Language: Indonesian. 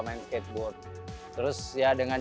main skateboard terus ya dengan